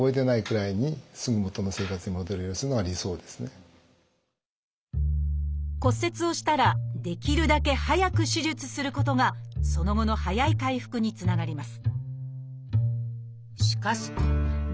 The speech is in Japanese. それから骨折をしたらできるだけ早く手術することがその後の早い回復につながります。